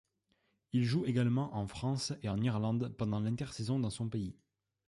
Il joue également en France et en Irlande pendant l'inter-saison dans son pays.